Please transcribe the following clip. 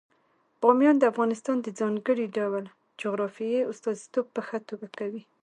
بامیان د افغانستان د ځانګړي ډول جغرافیې استازیتوب په ښه توګه کوي.